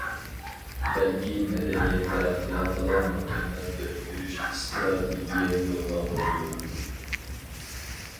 بەلكى، مەدەنىيەت تەرەققىياتىغا مۇكەممەل بىر يۈرۈش ئىستراتېگىيە يولغا قويىدۇ.